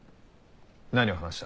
何を話した？